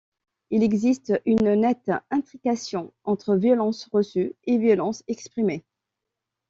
Il existe une nette intrication entre violence reçue et violence exprimée.